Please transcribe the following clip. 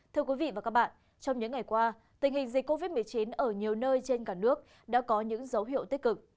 thưa quý vị và các bạn trong những ngày qua tình hình dịch covid một mươi chín ở nhiều nơi trên cả nước đã có những dấu hiệu tích cực